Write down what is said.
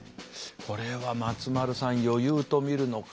これは松丸さん余裕と見るのか。